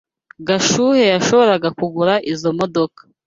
Gashuhe yashoboraga kugura izoi modoka.